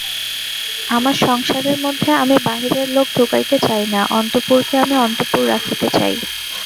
আমার সংসারের মধ্যে আমি বাহিরের লোক ঢুকাইতে চাই না–অন্তঃপুরকে আমি অন্তঃপুর রাখিতে চাই।